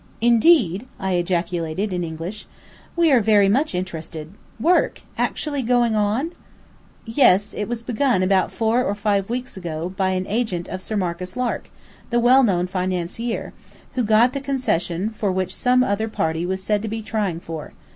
"Indeed!" I ejaculated in English. "We are very much interested. Work actually going on!" "Yes, it was begun about four or five weeks ago, by an agent of Sir Marcus Lark, the well known financier, who got the concession which some other party was said to be trying for.